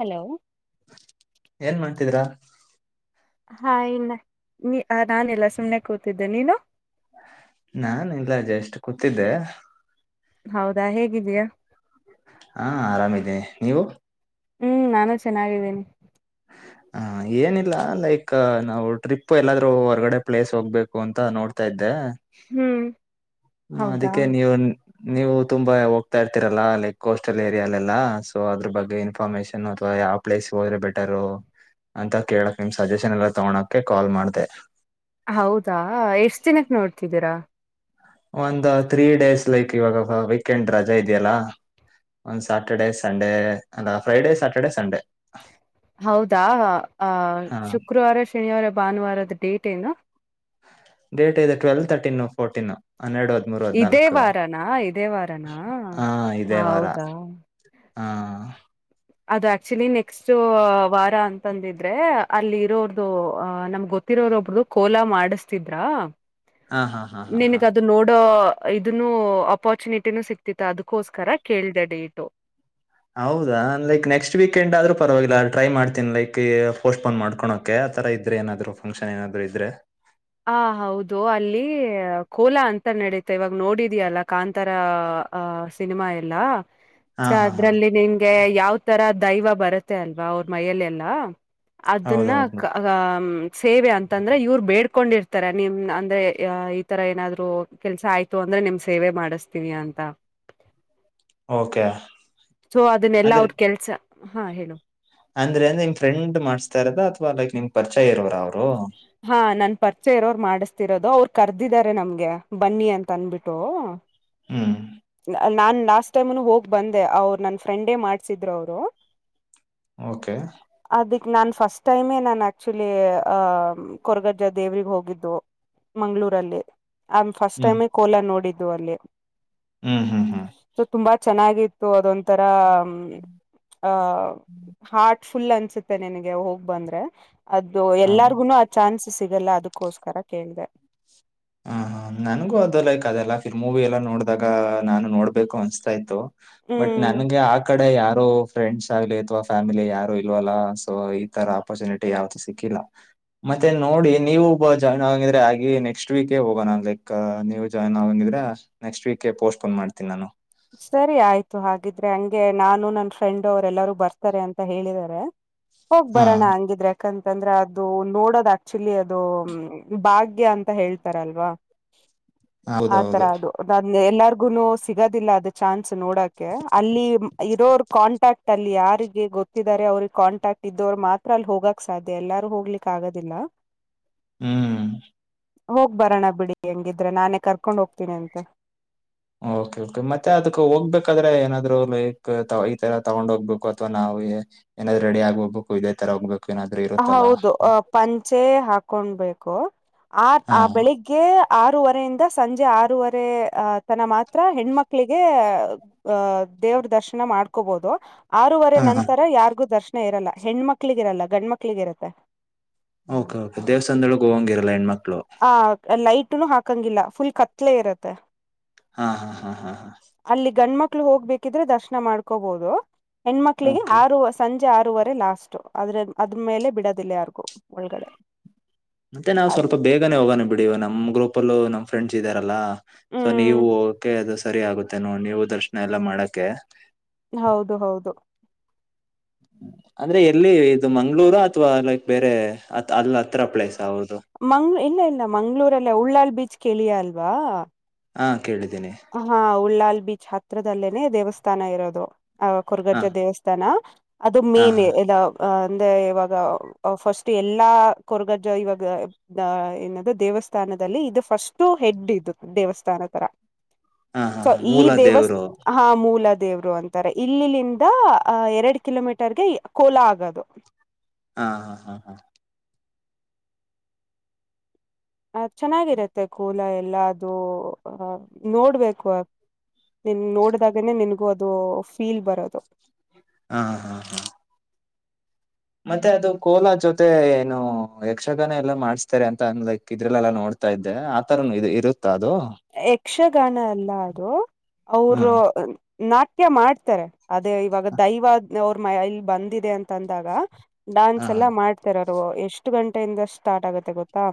Hello ಏನ್ ಮಾಡತಿದಿರಾ ಹಾ ಇನ್ನ ನೀ ನಾನೆಲ್ಲ ಸುಮ್ನೆ ಕೂತಿದ್ದೆ ನೀನು ನಾನ ಇಲ್ಲ ಜಷ್ಟ ಕೂತಿದ್ದೆ ಹೌದಾ ಹೇಗಿದ್ದೀಯಾ ಹಾ ಆರಾಮಿದ್ದೀನಿ ನೀವು ಹ್ಮ್ ನಾನು ಚೆನ್ನಾಗಿದ್ದೀನಿ ಹ ಏನಿಲ್ಲ ಲೈಕ್ ನಾವು ಟ್ರಿಪ್ ಎಲ್ಲಾದರೂ ಹೊರ್ಗಡೆ ಪ್ಲೇಸ್ ಹೋಗ್ಬೇಕು ಅಂತ ನೋಡ್ತಾ ಇದ್ದೆ ಹ್ಮ್ ಹ ಹೌದಾ ಅದಕ್ಕೆ ನೀವು ನೀವು ತುಂಬಾ ಹೋಗ್ತಾ ಇರ್ತಿರಲ್ಲಾ ಲೈಕ್ ಕೋಸ್ಟಲ್ ಏರಿಯಲ್ಲೆಲ್ಲಾ ಸೊ ಅದ್ರ ಬಗ್ಗೆ ಇನ್ಫಾರ್ಮೇಶನ್ ಅಥ್ವಾ ಯಾವ ಪ್ಲೇಸ್ಗೆ ಹೋದ್ರೆ ಬೆಟ್ ಟರು ಅಂತ ಕೇಳಕ್ ನಿಮ್ ಸಜೆಷನ್ ಎಲ್ಲಾ ತಗೋಳೋಕೆ ಕಾಲ್ ಮಾಡದೆ ಹೌದಾ ಎಷ್ಟ ದಿನಕ್ ನೋಡ್ ತ್ತಿದ್ದೀರಾ ಒಂದ ತ್ರೀ ಡೇಸ್ ಲೈಕ್ ಇವಾಗ ವೀಕೆಂಡ್ ರಜೆ ಇದೆಯಲ್ಲ ಒಂದ್ ಸ್ಯಾಟರ್ಡೆ ಸಂಡೇ ಅಲ್ಲ ಫ್ರೈಡೇ ಸ್ಯಾಟರ್ಡೆ ಸಂಡೇ ಹೌದಾ ಆ ಹಾ ಶುಕ್ರವಾರ ಶನಿವಾರ ಭಾನುವಾರದ ಡೇಟ್ ಏನು ಡೇಟ್ ಇದು ಟ್ವಲ್ ತರ್ ಟಿನು ರ್ಫೋರ್ಟೀನು ಇದೇ ವಾರನಾ ಇದೇ ವಾರನಾ ಹಾ ಇದೇ ವಾರ ಹೌದಾ ಹಾ ಅದು ಆಕ್ಚುಲಿ ನೆಕ್ಸ್ಟ್ ವಾರ ಅಂತಂದಿದ್ರೆ ಅಲ್ಲಿ ಇರೋರ್ದು ಅಹ ನಮ್ಗೆ ಗೊತ್ತಿರೋರೊಬ್ರದು ಕೋಲಾ ಮಾಡಸ್ತಿದ್ರ ಹಾ ಹಾ ಹಾ ಹಾ ಹಾ ನಿನ್ಗದು ನೋಡೋ ಇದನ್ನು ಅಪಾರ್ಚುನಿಟಿನೂ ಸಿಗ್ತಿತ್ತು ಅದಕೋಸ್ಕರ ಕೇಳಿದೆ ಡೇಟು ಹೌದಾ ಲೈಕ್ ನೆಕ್ಸ್ಟ್ ವೀಕೆಂಡ್ ಆದ್ರರು ಪರವಾಗಿಲ್ಲ ಟ್ರೈ ಮಾಡ್ತೀನಿ ಲೈಕ್ ಪೋಸ್ಟ್ಪೋನ್ ಮಾಡ್ಕೊಳೋಕೆ ಆತರ ಇದ್ರೆ ಏನದ್ರು ಫಂಕ್ಷನ್ ಏನಾದ್ರು ಇದ್ರೆ ಹ ಹೌದು ಅಲ್ಲಿ ಕೋಲಾ ಅಂತ ನಡಿತೆ ಇವಾಗ ನೋಡಿದಿಯಲ್ಲ ಕಾಂತಾರ ಅ ಸಿನಿಮಾ ಎಲ್ಲಾ ಹಾ ಸ ಹಾ ಹಾ ಅದ್ರಲ್ಲಿ ನಿನ್ಗೆ ಯಾವದ್ ತರ ದೈವ ಬರುತ್ತೆ ಅಲ್ವಾ ಅವ್ರ ಮೈಯಲ್ಲೆಲ್ಲಾ ಅದುನ್ನ ಹೌದೌದು ಕ ಹಹ್ಮ್ ಸೇವೆ ಅಂತಂದ್ರೆ ಇವ್ರ್ ಬೇಡ್ ಕೊಂಡಿರ್ತಾರೆ ನಿಮ್ ಅಂದ್ರೆ ಈ ತರ ಏನಾದ್ರು ಕೆಲ್ಸ ಆಯ್ತು ಅಂದ್ರೆ ನಿಮ್ ಸೇವೆ ಮಾಡಿಸತೀವಿ ಅಂತ ಓಕೆ ಸೊ ಅದನ್ನೆಲ್ಲಾ ಅಂದ್ರೆ ಅವ್ರ ಕೆಲ್ಸ ಹಾ ಹೇಳು ಅಂದ್ರೆ ನಿಮ್ ಫ್ರೆಂಡ್ ಮಾಡ್ಸ್ತಾರದ ಅತವಾ ಲೈಕ್ ನಿಮ್ ಪರಿಚಯ ಇರವ್ ರ ಅವ್ರು ಹಾ ನನ್ ಪರಿಚಯ ಇರೋರು ಮಾಡಿಸ್ತಿರೋದು ಅವ್ರು ಕರ್ದಿದಿದ್ದಾರೆ ನಮ್ಗೆ ಬನ್ನಿ ಅಂತ ಅನ್ಬಿಟ್ಟು ಹ್ಮ್ ನಾ ನಾನ್ ಲಾಸ್ಟ್ ಟೈಮ್ನು ಹೋಗ್ ಬಂದೆ ಅವ್ರು ನನ್ನ ಫ್ರೆಂಡೇ ಮಾಡ್ಸಿದ್ರು ಅವ್ರು ಓಕೆ ಅದಕ್ಕೆ ನಾನು ಫಸ್ಟ್ ಟೈಮೇ ನಾನು ಆ್ಯಕ್ಚುಲಿ ಆ ಕೊರಗಜ್ಜ ದೇವ್ರಿಗ್ ಹೋಗಿದ್ದು ಮಂಗ್ಳೂರಲ್ಲಿ um first hmm time Cola ನೋಡಿದ್ದ್ ಅದು ಅಲ್ಲೇ ಹ್ಮ್ ಹ್ಮ್ ಹ್ಮ್ ಚೆನ್ನಾಗಿತ್ತು ಅದೊ ತರ ಆ ಹಾರ್ಟ ಫುಲ್ ಅನ್ಸುತ್ತೆ ನನ್ಗೆ ಹೋಗ್ ಬಂದ್ರೆ ಅದು ಹಾ ಎಲ್ಲಾರ್ಗುನು ಮನ್ಸು ಸಿಗಲ್ಲ ಅದಕ್ಕೋಸ್ಕರ ಕೇಳಿದೆ ಹ ಹ ನನಗೂ ಅದು ಲೈಕ್ ಅದೆಲ್ಲ ಫಿಲ್ ಮೂವಿ ಎಲ್ಲಾ ನೋಡ್ದಾಗ ನಾನು ನೋಡ್ಬೇಕು ಅನ್ಸ್ತಾ ಇತ್ತು ಬಟ್ ಹ್ಮ್ ನನ್ಗೆ ಆ ಕಡೆ ಯಾವ ಫ್ರೆಂಡ್ಸ್ ಆಗ್ಲಿ ಅಥವಾ ಫ್ಯಾಮಿಲಿ ಯಾರು ಇಲ್ವಲ್ಲ ಸೊ ಈ ತರ ಅಪರ್ಚುನಿಟಿ ಯಾವ್ದ ಸಿಕ್ಕಿಲ್ಲ ಮತ್ತೆ ನೋಡಿ ನೀವುಬ್ಬ ಜಾಯ್ನ್ ಆಗಿದ್ರೆ ಆಗಿ ನೆಕ್ಸ್ಟ್ ನೆಸ್ಟ್ ವೀಕೇ ಹೋಗೋ ನಾನನ್ ಲೈಕ್ ನೀವು ಜಾಯ್ನ್ ಆಗಂಗಿದ್ರೆಕ್ಸ್ ವೀಕ ಪೋಸ್ಟ್ ಪೋನ್ ಮಾಡತೀನಿ ನಾನು ಸರಿ ಆಯ್ತು ಹಾಗಿದ್ರೆ ಹಂಗೆ ನಾನು ನನ್ ಫ್ರೆಂಡ್ ಅವರೆ ಎಲ್ಲಾರೂ ಬರ್ತಾರೆ ಅಂತ ಹೇಳಿದ್ದಾರೆ ಹೋಗ್ ಹಾ ಬರೋಣ ಹಂಗಿದ್ರೆ ಯಾಕಂತಂದ್ರೆ ಅದು ನೋಡೋದ ಆಕ್ಚುಲಿ ಅದು ಭಾಗ್ಯ ಅಂತ ಹೇಳ್ತಾರಲ್ವಾ ಆ ತರ ಹೌದೌದು ಅದು ಎಲ್ಲಾರ್ಗುನು ಸಿಗೋದಿಲ್ಲ ದ ಚನ್ ನೋಡಕ ಅಲ್ಲಿ ಇರೋರ್ ಕಾಂಟ್ಯಾಕ್ಟ್ ಅಲ್ಲಿ ಯಾರಿಗೆ ಗೊತ್ತಿದ್ದಾರೆ ಅವ್ರಿಗೆ ಕಾಂಟ್ಯಾಕ್ಟ್ ಇದ್ದ ಅವ್ರು ಮಾತ್ರ ಅಲ್ಲಿ ಹೋಗಕ್ ಸಾಧ್ಯ ಎಲ್ಲಾರು ಹೋಗ್ಲಿಕ್ಕ ಆಗೋದಿಲ್ಲ ಹ್ಮ್ ಹೋಗ್ ಬರೋಣ ಬಿಡಿ ಹೆಂಗಿದ್ರೆ ನಾನೇ ಕರ್ಕೊಂಡ್ ಹೋಗ್ತೀನಿ ಅಂತೆ ಓಕೆ ಓಕೆ ಮತ್ತೆ ಅದಕ್ ಹೋಗ್ಬೇಕಾದ್ರೆ ಏನಾದ್ರು ಲೈಕ್ ಈ ತರ ತಗೊಂಡ್ ಹೋಗ್ಬೇಕು ಅಥವಾ ನಾವು ಏನಾದ್ರು ರೆಡಿ ಆಗ್ ಹೋಗ್ಬೇಕು ಇದೇ ತರ ಹೋಗ್ಬೇಕು ಏನಾದ್ರು ಇರುತ್ತಲ್ಲ ಹೌದು ಅ ಪಂಚೆ ಹಾ ಕೊಂಡಬೇಕು ಆ ಹಾ ಆ ಬೆಳಿಗ್ಗೆ ಆರೂವರೆಯಿಂದ ಸಂಜೆ ಆರೂವರೆ ಅ ತನ ಮಾತ್ರ ಹೆಣ್ಮಕ್ಳಿಗೆ ಅಹ ದೇವ್ರ ದರ್ಶನ ಮಾಡ್ಕೋಬಹದು ಆರೂವರೆ ಹಾ ಹಾ ನಂತರ ಯಾರಿಗೂ ದರ್ಶನ ಇರಲ್ಲ ಹೆಣ್ಣ್ಮಕ್ಳಿರಲ್ಲ ಗಣ್ಮಕ್ಳ ಮಕ್ಲಿಗ ಇರತ್ತೆ ಓಕೆ ಓಕ ದೇವಸ್ಥಾನಳ ಹೋಗೋಂಗಿರಲ್ಲ ಹೆಣ್ಮಕ್ ಹ ಲೈಟ್ ಒಟ್ಟ ಹಾಕಂಗಿಲ್ಲ ಫುಲ್ ಕತ್ಲೆ ಇರತ್ತೆ ಹಾ ಹಾ ಹಾ ಹಾ ಹಾ ಮಕ್ಳ ಹೋಗ್ಬೇಕಿದ್ರೆ ದರ್ಶನ ಮಾಡ್ಕೋಬಹುದು ಹೆಣ್ಮಕ್ಳಿಗೆ ಓಕೆ ಆ ಸಂಜೆ ಆರೂವರೆ ಲಾಸ್ಟ್ ಅದ್ರ ಅದ್ರ್ಮೇಲೆ ಬಿಡೋದಿಲ್ಲ ಯಾರಿಗೂ ಒಳಗಡೆ ಮತ್ತೆ ನಾವವು ಅದ್- ಸ್ವಲ್ಪ ಬೇ ಈಗನೇ ಹೋಗಾನ ಬಿಡಿ ನಮ್ಮ ಗ್ರೂಪ ಅಲ್ಲ ನಮ ಫ್ರೆಂಡ್ಸ್ ಇದ್ದಾರಲ್ಲಾ ಸೊ ಹ್ಮ್ ನೀವು ಕ ಸರಿ ಆಗುತ್ತೇನು ನೀವು ದರ್ಶನ ಎಲ್ಲಾ ಮಾಡಕೆ ಹೌದು ಹೌದು ಅಂದ್ರೆ ಎಲ್ಲಿ ಇದು ಮಂಗ್ಗಳೂರು ಅಥವಾ ಲೈಕ್ ಬೇರೆ ಅಲ್ ಹತ್ರ ಪ್ಲೇಸ್ ಹೌದು ಮಂಗ್ ಇಲ್ಲ ಇಲ್ಲ ಮಂಗ್ಗಳೂರಲ್ಲ ಉಳ್ಳಾಲ್ ಬೀಚ್ ಕ ಕೆಳಿಯಾಲ್ವಾ ಆಠ ಹಾ ಉಳ್ಳಾಲ್ ಬೀಚ್ ಹತ್ರದಲ್ಲೇನೆ ದೇವಸ್ಥಾನ ಇರೋದು ಆ ಹಾ ಕೊರಗಜ್ಜ ದೇವಸ್ಥಾನ ಅದು ಹಾ ಮೇಲೆ ಹಾ ಆ ಅ ಅಂದ್ರೆ ಇವಾಗ ಫಸ್ಟ್ ಎಲ್ಲಾ ಕೊರಗಜ್ಜ ಇವಾಗ ಏನದು ದೇವಸ್ಥಾನದಲ್ಲಿ ಇದು ಫಸ್ಟ್ ಹೆಡ್ ಇದು ದೇವಸ್ಥಾನ ತರ ಹಾ ಹಾ ಸೊ ಹಾ ಈ ಮೂಲ ದೇವಸ್ಥ ದೇವರು ಹಾ ಮೂಲದ ದೇವ್ರು ಅಂತಾರೆ ಇಲ್ಲಿಂದ ಎರಡ್ ಕಿಲೋಮೀಟರ್ಗೆ ಕೋಲಾ ಆಗೋದು ಹಾ ಹಾ ಹಾ ಹಾ ಅ ಚೆನ್ನಾಗಿರತ್ತೆ ಕೋಲಾ ಎಲ್ಲ ಅದು ನೋಡ್ಬೇಕು ನಿನ್ ನೋಡ್ದಾಗನೇ ನಿನ್ಗೂ ಅದು ಫೀಲ್ ಬರೋದು ಹಾ ಹಾ ಹಾ ಹಾ ಮತ್ತೆ ಅದು ಕೋಲಾ ಜೊತೆ ಏನು ಯಕ್ಷಗಾನ ಎಲ್ಲ ಮಾಡ್ಸ್ತಾರೆ ಅಂತ ಅನ್ನದಕ್ ಇದ್ರಲ್ಲೆಲ್ಲ ನೋಡ್ತಾ ಇದ್ದೆ ಆತರ ಇರು ತ್ತ ಅದು ಯಕ್ಷಗಾನ ಎಲ್ಲ ಅದು ಹಾ ಅವರು ನಾಟ್ಯ ಮಾಡ್ತಾರೆ ಅದೇ ಇವಾಗ ದೈವ ಅವ್ರ ಮೈ ಇಲ್ಲಿ ಬಂದಿದೆ ಅಂತಾದಾಗ ಡಾನ್ಸ್ ಹಾ ಎಲ್ಲಾ ಮಾಡ್ತಾರೇ ಎಷ್ಟು ಗಂಟೆಯಿಂದ ಸ್ಟಾರ್ಟ್ ಆಗತ್ತೆ ಗೊತ್ತಾ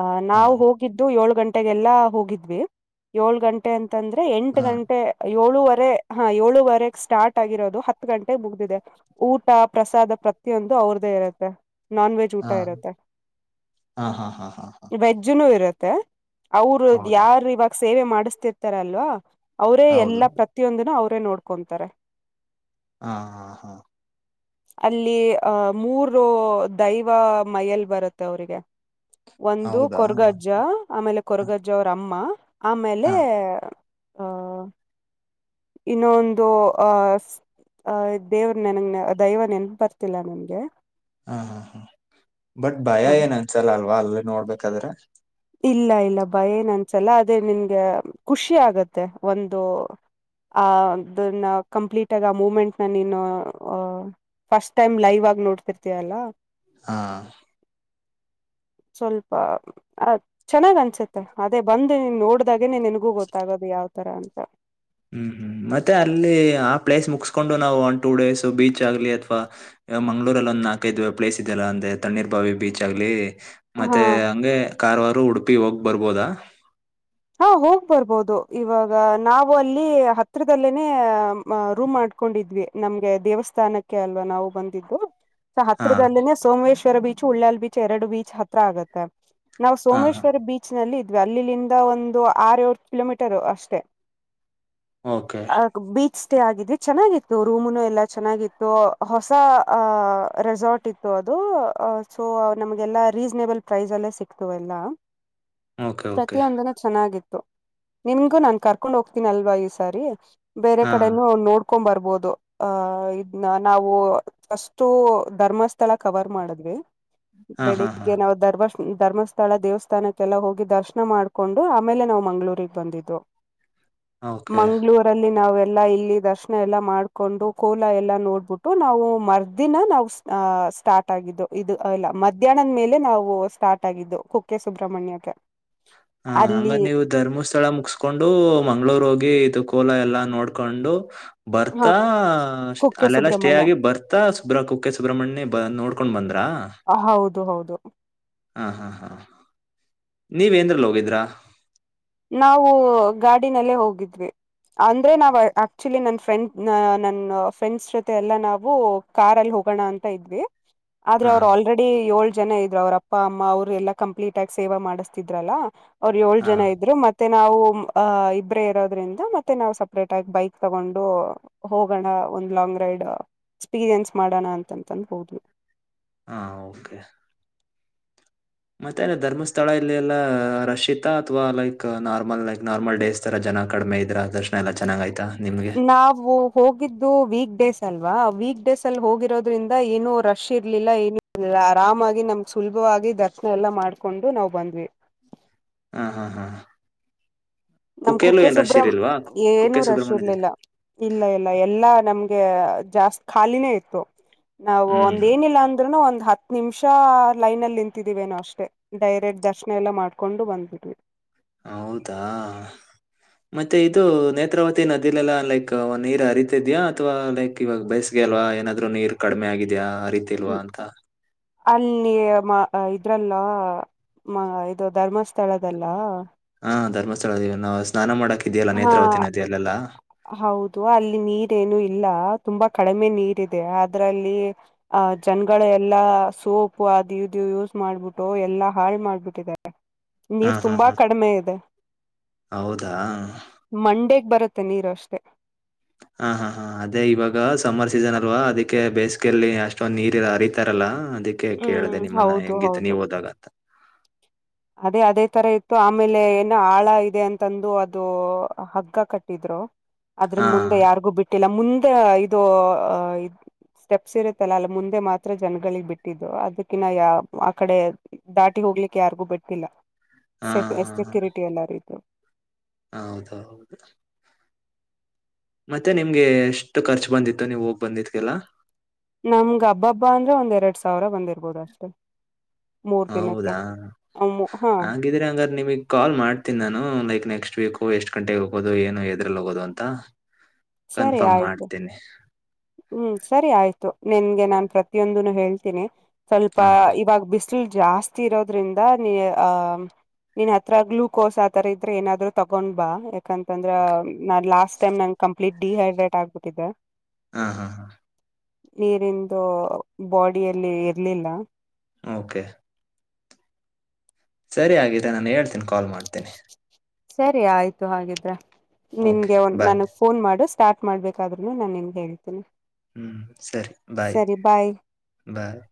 ಆ ಹಾ ನಾವು ಹೋಗಿದ್ದು ಏಳು ಗಂಟೆಗೆಲ್ಲಾ ಹೋಗಿದ್ದು ಹೋಗಿದ್ವಿ ಏಳು ಗಂಟೆ ಅಂತ ಅಂತದ್ರೆ ಎಂಟು ಹಾ ಗಂಟೆ ಏಳುವರೆ ಹಾ ಏಳುವರೆ ಸ್ಟಾರ್ಟ್ ಆಗಿರೋದು ಹತ್ ಗಂಟೆಗೆ ಮುಗ್ದಿದೆ ಊಟ ಪ್ರಸಾದ ಪ್ರತಿಯೊಂದು ಅವ್ರ್ದೇ ಇರುತ್ತೆ ನಾನ್ ವೆಜ್ ಊಟ ಹಾ ಇರುತ್ತೆ ಹಾ ಹಾ ಹಾ ಹಾ ಹಾ ವೆಜ್ನು ಇರುತ್ತೆ ಇರುತ್ತೆ ಅವ್ರು ಹೌದಾ ಯಾರ್ ಇವಾಗ ಸೇವೆ ಮಾಡಿಸ್ತಿರ್ತಾರ್ ಅಲ್ವಾ ಅವ್ರೇ ಹೌದು ಎಲ್ಲಾ ಪ್ರತಿಯೊಂದನು ನೋಡ್ಕೊಂತರೆ ಹಾ ಹಾ ಹಾ ಅಲ್ಲಿ ಆಹ್ ಮೂರು ದೈವ ಮೈಯಲ್ ಬರುತ್ತೆ ಅವ್ರಿಗೆ ಒಂದು ಹೌದಾ ಕೊರ್ಗಜ್ಜ, ನಾಲ್ಕು. ಆಮೇಲೆ ಹಾ ಕೊರ್ಗಜ್ಜ ತಮ್ಮ ಆಮೇಲೆ ಹಾ ಅಹ ಇನ್ನೊಂದು ಅಹ್ ಅಹ್ ದೇವ್ರ್ ನೆನಗ್ ದೈವ ನೆನಪ್ ಬರ್ತಿಲ್ಲ ನಂಗೆ ಹಾ ಹಾ ಹಾ ಬಟ್ ಭಯ ಏನ್ ಅನ್ಸಲ್ಲ ಅಲ್ವಾ ಅಲ್ ನೋಡ್ಬೇಕಾದ್ರೆ? ಇಲ್ಲ ಇಲ್ಲ ಭಯ ಏನ್ ಅನ್ಸಲ್ಲ ಅದೇ ನಿನ್ಗೆ ಖುಷಿ ಆಗತ್ತೆ ಒಂದು ಅ ದನ್ನ ಕಂಪ್ಲೀಟಗ್ ಆ ಮೂಮೆಂಟ್ನ ನೀನು ಫಸ್ಟ್ ಟೈಮ್ ಲೈವ್ ಆಗ್ ನೋಡ್ತಿರ್ತಯಲ್ಲ ಹಾ ಸ್ವಲ್ಪ ಆ ಚನ್ನಾಗ್ ಅನ್ಸುತ್ತೆ ಅದೇ ನೋಡದ್ ನೆನೆ ನಿನ್ಗೂ ಗೊತ್ತಾಗದ್ ತರ ಅಂತ ಹ್ಮ್ ಹ್ಮ್ ಮತ್ತೆ ಅಲ್ಲಿ ಆ ಪ್ಲೇಸ್ ಮುಗ್ಸ್ಕೊಂಡು ನಾ್ ಒಂದ್ ಟೂ ಡೇಸ್ ಬೀಚ್ ಆಗ್ಲಿ ಅಥವಾ ಮಂಗ್ಳೂರಲ್ ಒಂದ್ ನಾಲ್ಕೈದ್ ಪ್ಲೇಸ್ ಇದೆಲ್ಲ ಅಂದ್ರೆ ತಣ್ಣೀರ್ ಬಾವಿ ಬೀಚ್ ಆಗ್ಲಿ ಹಾ ಮತ್ತೆ ಹಂಗೆ ಕಾರ್ವಾರ್, ಉಡುಪಿ ಹೋಗ್ ಬರ್ಬೋದಾ ಹಾ ಹೋಗ್ ಬರ್ಬೋದು ಇವಾಗ ನಾವು ಅಲ್ಲಿ ಹತ್ರಿದಲ್ಲೇನೇ ರೂಮ್ ಮಾಡ್ಕೊಂಡಿದ್ವಿ ನಮ್ಗೆ ದೇವಸ್ಥಾನಕ್ಕೆ ಅಲ್ವಾ ನಾವು ಬಂದಿದ್ದು ಸ ಹಾ ಹತ್ತಿರ್ದಲ್ಲಿನೆ ಸೋಮೇಶ್ ವರ ಬೀಚ್, ಉಳ್ಳ್ಯಲ್ ಬೀಚ್, ಎರಡ್ ಬೀಚ್ ಹತ್ರ ಆಗತ್ತೆ ನಾವು ಹಾ ಹಾ ಸೋಮೇಶ್ವರ ಬೀಚ್ ನಲ್ಲಿ ಅಲ್ಲಿ [unintelligible] ಒಂದು ಆರ್ ಏಳ್ ಕಿಲೋಮೀಟರು ಅಷ್ಟೆ ಓಕೆ ಸ್ಟೇ ಆಗಿದಿ ಚನ್ನಾಗಿತ್ತು ರೂಮುನು ಎಲ್ಲಾ ಚನ್ನಾಗಿತ್ತು, ಹೊಸ ಅಹ್ ರೆಸಾರ್ಟ್ ಇತ್ತು ಅದು ಸೊ ನಮ್ಗೆಲ್ಲಾ ರೀಸ್ನೇಬಲ್ ಪ್ರೈಸ್ ಅಲ್ಲೇ ಸಿಕ್ತು ಎಲ್ಲಾ ಓಕೆ ಓಕೆ [unintelligible] ಒಂದನ ಚನ್ನಾಗಿತ್ ನಿಮ್ಗೂ ನಾನ್ ಕರ್ಕೊಂಡ್ ಹೋಗ್ತೀನಲ್ವಾ ಈ ಸಾರಿ ಬೇರೆ ಹಾ ಕಡೆನು ನೋ ಕೊಂಬ್ ಬರ್ಬೋದು ಆಹ್ ಇದ್ನ ನಾವು ಫಸ್ಟು ಧರ್ಮಸ್ಥಳ ಕವರ್ ಮಾಡಿದ್ವಿ ಹಾ ಹಾ ಹಾ ಬೆಳಿಗ್ಗೆ ನಾವ್ ಧರ್ಮ ಧರ್ಮಸ್ಥಳ ದೇವಸ್ಥಾನಕ್ಕೆಲ್ಲ ಹೋಗಿ ದರ್ಶನ ಮಾಡ್ ಹಕೊಂಡು ಆಮೇಲೆ ನಾವ್ ಮಂಗ್ಗಳೂಗ್ ಬಂದಿದ್ರು ಓಕೆ ಮಂಗ್ಗಳೂರಲ್ಲಿ ನಾವ ಎಲ್ಲಾ ಇಲ್ಲಿ ದರ್ಶನ ಎಲ್ಲಾ ಮಾಡ್ಕೊಂಡು ಕೋಲ ಎಲ್ಲಾ ನೋಡ್ಬಿಟ್ಟು ನಾವು ಮರ್ದಿನ ನಾವು ಅ ಸ್ಟಾರ್ಟ್ ಆಗಿದ್ದು ಇದು ಎಲ್ಲ ಮಧ್ಯಾಹ್ನದ ಮೇಲೆ ನಾವು ಸ್ಟಾರ್ಟ್ ಆಗಿದ್ದು ಕುಕ್ಕೆ ಸುಬ್ರಹ್ಮಣ್ಯಕ್ಕೆ ಹಾ ಹಂಗ ಅಲ್ಲಿ ನೀವು ಧರ್ಮಸ್ಥಳ ಮುಗಸ್ಕೊಂಡು ಮಂಗ್ಳೂರ್ ಹೋಗಿ ಇದು ಕೋಲ ಎಲ್ಲಾ ನೋಡ್ಕೊಂಡು ಹ ಬರ್ತಾ ಕುಕ್ಕೆ ಅಲ್ಲೆಲ್ಲಾ ಸ್ಟೇ ಸುಬ್ರಹ್ಮಣ್ಯ ಆಗಿ ಬರ್ತಾ ಸುಬ್ರ ಕುಕ್ಕೆ ಸುಬ್ರಮಣ್ಯ ಬ ನೋಡ್ಕೊಂಡ್ ಬಂದ್ರ ಹೌದು ಹೌದು ಹಾ ಹಾ ಹಾ ನೀವೇಂದ್ರಲ್ಲಿ ಹೋಗಿದ್ರಾ ನಾವು ಗಾಡಿನಲ್ಲೇ ಹೋಗಿದ್ವಿ ಅಂದ್ರೆ ನಾ್ ಆಕ್ಚುಲಿ ನನ್ ಫ್ರೆಂಡ್ ನನ್ನ ಫ್ರೆಂಡ್ಸ್ ಜೊತೆ ಎಲ್ಲಾ ನಾವು ಕಾರಾರ್ಲ್ಲಿ ಹೋಗೋಣ ಅಂತ ಇದ್ವಿ ಆದ್ರ ಹಾ ಅವರು ಆಲ್ರೆಡಿ ಏಳ್ ಜನ ಇದ್ರು ಅವ್ರ ಅಪ್ಪ ಅಮ್ಮ ಅವ್ರು ಎಲ್ಲಾ ಕಂಪ್ಲೀಟ್ ಆಗಿ ಸೇವ ಮಾಡಿಸ್ತಿದ್ರಲ್ಲ ಅವ್ರ ಏಳ್ ಜ ಹಾ ಐತೆ ಮತ್ತೆ ನಾವು ಅ ಇಬ್ರೇ ಇರೋದ್ರಿಂದ ಮತ್ತೆ ನಾ್ ಸಪ್ರೇಟ್ ಆಗಿ ಬೈಕ್ ತಗೊಂಡು ಹೋಗೋಣ ಒಂದ್ ಲಾಂಗ್ ರೈಡ್ ಎಕ್ಸ್ಪೀರಿಯನ್ಸ್ ಮಾಡೋಣ ಅಂತಂತಂದ ಹೋ್ ಹಾ ಓಕೆ ಮತ್ತೆಲ್ಲ ಧರ್ಮಸ್ಥಳ ಇಲ್ಲ ಎಲ್ಲಾ ರಷಿತಾ ಅಥ್ವಾ like normal like normal days ತರ ಜನ ಕಡಿಮೆ ಇದ್ರ ದರ್ಶನ ಎಲ್ಲಾ ಚೆನ್ನಾಗ ಆಯ್ತಾ ನಿಮ್ಗೆ ನಾವು ಹೋಗಿದ್ದು ವೀಕ್ ಡೇಸ್ ಅಲ್ ಲ್ವಾ ವೀಕ್ ಡೇಸ್ ಅಲ್ಲಿ ಹೋಗಿರೋದ್ರಿಂದ ಏನು ರಶ್ ಇರ್ಲಿಲ್ಲ ಏನು ಇಲಿಲ್ಲ ಆರಾಮಾಗಿ ನಮ್ ಸುಲಭವಾಗಿ ದರ್ಶನ ಎಲ್ಲಾ ಮಾಡ್ಕೊಂಡು ನಾವ್ ಬಂದ್ವಿ ಹ್ಮ ಹಾ ಹಾ ನಮ್ ಕುಕ್ಕೆಲ್ಲೂ ಕುಕ್ಕೆ ಏನ್ ರಶ್ ಸುಬ್ರಮ ಇರಿಲ್ವಾ ಏನು ಕುಕ್ಕೆ ರಶ್ ಸುಬ್ರಹ್ಮಣ್ಯದಲ್ಲಿ ಇರ್ಲಿಲ್ಲ ಇಲ್ಲ ಇಲ್ಲ ಎಲ್ಲಾ ನಮ ಜಾಸ್ತಿ ಖಾಲಿನೇ ಇತ್ತು ನಾವು ಹ್ಮ್ ಒಂದ ಏನಿಲ್ಲ ಅಂದ್ರುನು ಒಂದ್ ಹತ್ತು ನಿಮಿಷ ಲೈನಲ್ಲಿ ನಿಂತಿದೀವೇನೋ ಅಷ್ಟೇ ಡೈರೆಕ್ಟ್ ದರ್ಶನ ಎಲ್ಲ ಮಾಡ್ಕೊಂಡು ಬಂದಿದ್ವಿ ಹೌದಾ ಮತ್ತೆ ಇದು ನೇತ್ರಾವತಿ ನದಿಲೆಲ್ಲಾ ಲೈಕ್ ಒ ನೀರ್ ಹರಿತಿದ್ಯಾಾ ಅಥವಾ ಲೈಕ್ ಇವಾಗ ಬೇಸ್ಗೆ ಅಲ್ವಾ ಏನಾದ್ರು ನೀರ್ ಕಡಿಮೆ ಆಗಿದ್ಯಾ ಬರಿೀತಿಲ್ವಾ ಅಂತ ಅಲ್ಲಿ ಇದ್ರಲ್ಲ ಮ ಇದು ಧರ್ಮಸ್ಥಳದಲ್ಲ ಹಾ ಧರ್ಮಸ್ಥಳದ ನಾ ಸ್ನಾನ ಮಾಡಕ್ ಇದೆಯಲ್ಲ ಹಾ ನೇತ್ರಾವತಿ ನದಿಯಲ್ಲೆಲ್ಲ ಹೌದು ಅಲ್ಲಿ ನೀರೇನು ಇಲ್ಲ ತುಂಬಾ ಕಡಿಮೆ ನೀರ್ ಇದೆ ಅದ್ರಲ್ಲಿ ಆಹ ಜನಗಳು ಎಲ್ಲಾ ಸೋಪು ಅದು ಇದು ಯೂಸ್ ಮಾಡ್ಬಿಟ್ಟು ಎಲ್ಲಾ ಹಾಳ್ ಮಾಡ್ಬಿಟ್ಟಿದ್ದಾರೆ ಹಾ ನೀರ್ ಹಾ ತುಂಬಾ ಹಾ ಕಡಿಮೆ ಇದೆ ಹೌದಾ ಮಂಡೇಗ್ ಬರತ್ತ ಮತ್ತೆ ನೀರು ಅಷ್ಟೇ ಹಾ ಹಾ ಹಾ ಅದೇ ಇವಾಗ ಸಮ್ಮರ್ ಸೀಸನ್ ಅಲ್ವಾ ಅದಕ್ಕೆ ಬೇಸಿಗೆಯಲ್ಲಿ ಅಷ್ಟೊಂದ್ ನೀರ್ ಅರಿತಾರಲ್ಲ ಅದಕ್ಕೆ ಹ್ಮ್ ಕೇಳಿದೆ ನಿಮ್ಮನ್ನ ಹೌದು ಹೆಂಗಿತ್ತು ಹೌದು ನೀವು ಹೋದಾಗ ಅಂತ ಅದೇ ಅದೇ ತರ ಇತ್ತು ಆಮೇಲೆ ಏನ ಆಳ ಇದೆ ಅಂತಂದು ಅದು ಹಗ್ಗ ಕಟ್ಟಿದ್ರು ಆದದ್ರ ಹಾ ಮುಂದೆ ಯಾರಿಗೂ ಬಿಟ್ಟಿಲ್ಲ ಮುಂದೆ ಇದು ಸ್ಟೆಪ್ಸ್ ಇರುತ್ತಲ್ಲ ಅಲ್ಲ ಮುಂದೆ ಮಾತ್ರ ಜನಗಳಿಗೆ ಬಿಟ್ಟಿದ್ದು ಅದಕಿನ್ನ ಯ ಆ ಕಡೆ ದಾಟಿ ಹೋಗ್ಲಿಕ್ಕೆ ಯಾರಿಗೂ ಬಿಟ್ಟ ಇಲ್ಲ ಹಾ ಸೆಫ್ ಎ ಸೆಕ್ಯೂರಿಟಿ ಎಲ್ಲಾರು ಹೌದು ಹೌದು ಮತ್ತೆ ನಿಮ್ಗೆ ಎಷ್ಟು ಖರ್ಚ ಬಂದಿತ್ತು ನೀವ ಹೋಗ್ ಬಂದಿದ್ಗೆಲ್ಲ ನಮ್ಗ ಹಬ್ಬಬ್ಬಾ ಅಂದ್ರೆ ಒಂದ್ ಎರಡ್ ಸಾವಿರ ಬಂದಿರ್ಬೋದು ಅಷ್ಟೆ ಹೌದಾ ಹಾಗಿದ್ರೆ ಹಂಗಾರ ನಿಮಗ್ ಕಾಲ್ ಮಾಡ್ತೀನಿ ನಾನು ಲೈಕ್ ನೆಕ್ಸ್ಟ್ ವೀಕ್ ಹ ಎಷ್ಟು ಗಂಟೆಗೆ ಹೋಗೋದು ಏನು ಎದ್ರಲ್ಲಿ ಹೋಗೋದು ಅಂತ ಸರಿ ಕನ್ಫರ್ಮ್ ಆಯ್ತು ಮಾಡ್ತೇನೆ ಹ್ಮ್ ಸರಿ ಆಯ್ತು ನಿನ್ಗೆ ನಾನ್ ಪ್ರತಿಯೊಂದನು ಹೇಳ್ತೀನಿ ಸ್ವಲ್ಪ ಹಾಂ ಇವಾಗ ಬಿಸಿಲು ಜಾಸ್ತಿ ಇರೋದ್ರಿಂದ ನೀ ಆ ನೀನ್ ಹತ್ರ ಗ್ಲುೂಕೋಸ್ ಆತರ ಇದ್ರೆ ಏನಾದ್ರು ತಗೊಂಡ್ ಬಾ ಯಾಕಂತಂದ್ರ ನ ಲಾಸ್ ಟೈಮ್ ನ ಕಂ ಡಿಹೈಡ್ರೇಟ್ ಆಗ್ಬಿಟ್ಟಿದೆ ಹಾ ಹಾ ಹಾ ನೀರಿಂದು ಬಾಡಿಯಲ್ಲಿ ಇರ್ಲಿಲ್ಲ ಓಕೆ ಸರಿ ಆಗಿದೆಾ ನಾನ ಹೇಳ್ತೀನಿ ಕಾಲ್ ಮಾಡ್ತೇನೆ ಸರಿ ಆಯ್ತು ಹಾಗಿದ್ರೆ ಓಕೆ ನಿನ್ಗೆ ಬಾಯ್ ನನ್ಗ್ ಫೋನ್ ಮಾಡಿಸ ಸ್ಟಾರ್ಟ್ ಮಾಡಬೇಕಾದ್ರುನು ನಾನು ನಿಮ್ಗೆ ಹೇಳ್ಿದ್ದೀನಿ ಹ್ಮ್ ಸರಿ ಬಾಯ್ ಬಾಯ್